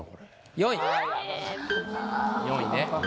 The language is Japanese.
４位ね。